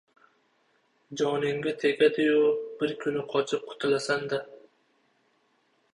Joningga tegadi-yu, bir kuni qochib qutilasan-da..